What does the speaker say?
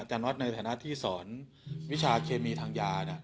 แต่น็อตในฐานะที่สอนวิชาเคมีทางยา